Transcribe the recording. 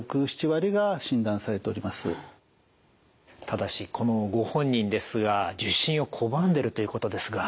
ただしこのご本人ですが受診を拒んでるということですが。